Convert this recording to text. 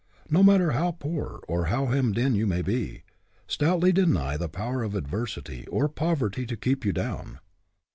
No matter how poor or how hemmed in you may be, stoutly deny the power of adversity or poverty to keep you down.